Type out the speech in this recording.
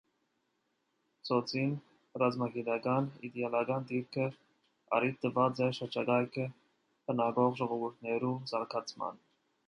Ծոցին ռազմագիտական իտէալական դիրքը առիթ տուած է շրջակայքը բնակող ժողովուրդներու զարգացման։